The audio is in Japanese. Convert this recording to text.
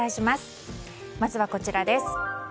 まずはこちらです。